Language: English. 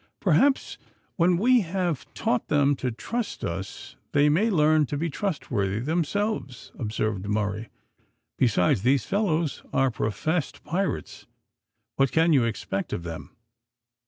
"Perhaps when we have taught them to trust us they may learn to be trustworthy themselves," observed Murray; "besides, these fellows are professed pirates. What can you expect of them?"